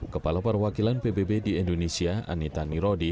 kepala perwakilan pbb di indonesia anitani rodi